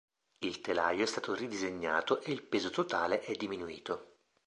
Il telaio è stato ridisegnato e il peso totale è diminuito.